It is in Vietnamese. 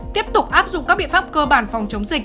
tiếp tục áp dụng các biện pháp cơ bản phòng chống dịch